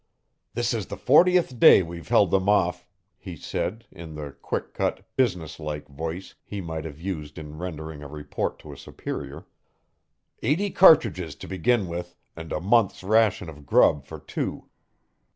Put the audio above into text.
"This is the fortieth day we've held them off," he said, in the quick cut, business like voice he might have used in rendering a report to a superior. "Eighty cartridges to begin with and a month's ration of grub for two.